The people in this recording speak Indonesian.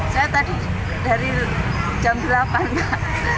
saya tadi dari jam delapan mbak